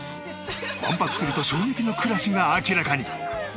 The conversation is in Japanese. １泊すると衝撃の暮らしが明らかに。